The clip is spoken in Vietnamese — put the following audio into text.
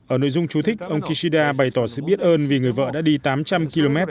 ở nội dung chú thích ông kishida bày tỏ sự biết ơn vì người vợ đã đi tám trăm linh km